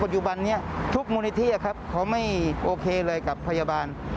จุบันนี้ทุกมูลนิธิครับเขาไม่โอเคเลยกับพยาบาล